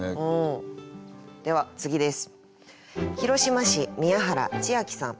では次です。